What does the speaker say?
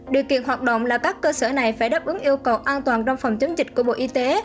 điều kiện hoạt động là các cơ sở này phải đáp ứng yêu cầu an toàn trong phòng chống dịch của bộ y tế